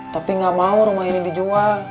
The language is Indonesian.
tapi nggak mau rumah ini dijual